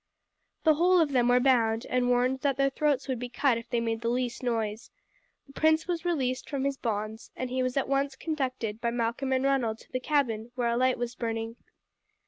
The whole of them were then bound, and warned that their throats would be cut if they made the least noise. The prince was released from his bonds, and he was at once conducted by Malcolm and Ronald to the cabin, where a light was burning.